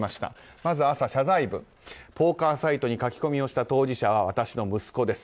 まず朝、謝罪文ポーカーサイトに書き込みをした当事者は私の息子です。